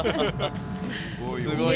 すごいな。